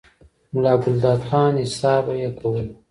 ملا ګلداد خان، حساب به ئې کولو،